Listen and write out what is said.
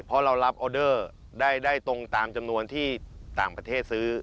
เพราะเรารับออเดอร์ได้ตรงตามจำนวนที่ต่างประเทศซื้อ